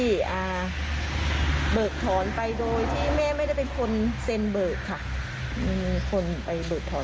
ที่เบิดถอนไปโดยที่ไม่ได้เป็นคนเซ็นเบิดครับ